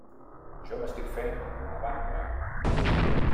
Jo m’estic fent una vànova.